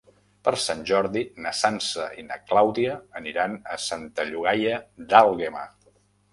Per Sant Jordi na Sança i na Clàudia aniran a Santa Llogaia d'Àlguema.